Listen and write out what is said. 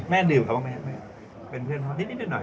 แม่ดื่มครับว่ามั้ยเป็นเพื่อนพ่อทิ้งหน่อย